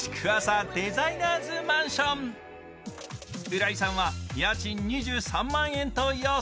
浦井さんは家賃２３万円と予想。